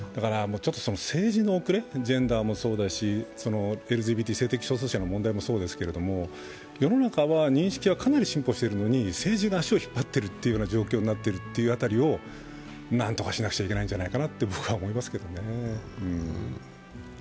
政治の遅れ、ジェンダーもそうだしＬＧＢＴ、性的少数者の問題もそうですけど、世の中は認識はかなり進歩してるのに政治が足を引っ張ってる問題は何とかしなくちゃいけないんじゃないかなと僕は思いますけどね。